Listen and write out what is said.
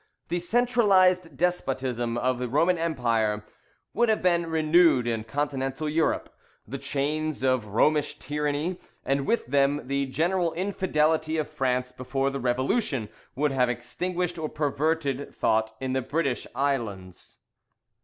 The centralised despotism of the Roman empire would have been renewed on Continental Europe; the chains of Romish tyranny, and with them the general infidelity of France before the Revolution, would have extinguished or perverted thought in the British islands."